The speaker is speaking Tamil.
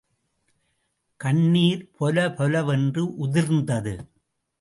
கண்ணிர் பொலபொலவென்று உதிர்ந்தது.